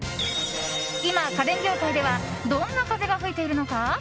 今、家電業界ではどんな風が吹いているのか。